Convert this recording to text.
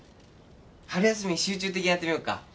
春休み集中的にやってみようか？